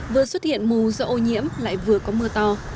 vừa xuất hiện mù do ô nhiễm lại vừa có mưa to